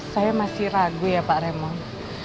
saya masih ragu ya pak remong